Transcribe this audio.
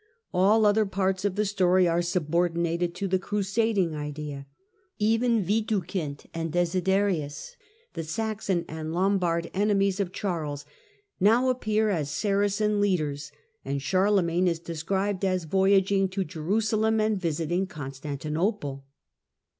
All other parts of the story are subordinated to the crusading idea. Even Widukind and Desiderius, the Saxon and Lombard enemies of Charles, now appear as Saracen leaders, and Charlemagne is described as voyaging to Jerusalem and visiting Constantinople.